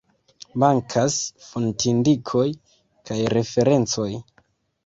Mankas fontindikoj kaj referencoj.